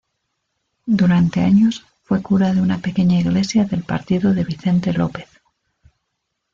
Durante años fue cura de una pequeña iglesia del partido de Vicente López.